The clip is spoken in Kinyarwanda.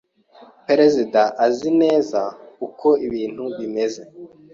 Perezida azi neza uko ibintu bimeze.